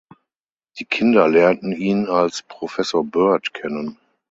Die Kinder lernten ihn als "Professor Bird" kennen.